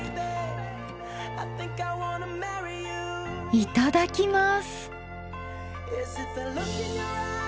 いただきます。